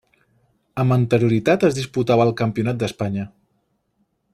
Amb anterioritat es disputava el Campionat d'Espanya.